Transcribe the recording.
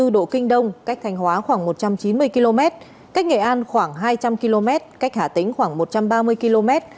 một trăm linh bảy bốn độ kinh đông cách thành hóa khoảng một trăm chín mươi km cách nghệ an khoảng hai trăm linh km cách hà tĩnh khoảng một trăm ba mươi km